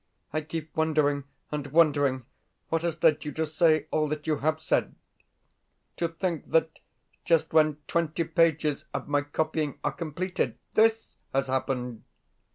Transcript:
I keep wondering and wondering what has led you to say all that you have said. To think that just when twenty pages of my copying are completed THIS has happened!...